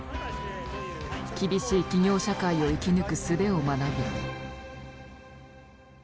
厳しい企業社会を生き抜くすべを学ぶ。